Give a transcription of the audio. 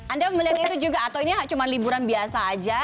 anda melihat itu juga atau ini cuma liburan biasa aja